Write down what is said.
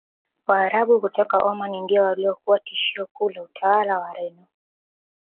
Waarabu kutoka Omani ndio waliokuwa tishio kuu la utawala wa Wareno